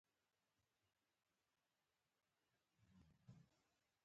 قانون په ټولو خلکو یو شان تطبیقیږي.